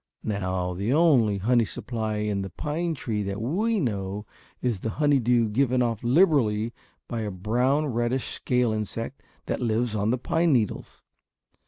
Now the only honey supply in the pine tree that we know is the honey dew given off liberally by a brown roundish scale insect that lives on the pine needles.